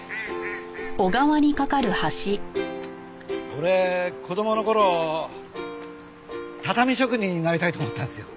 俺子供の頃畳職人になりたいと思ったんですよ。